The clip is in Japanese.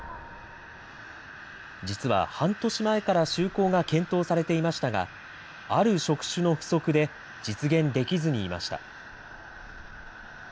実は半年前から就航が検討されていましたが、ある職種の不足で実現できずにいました。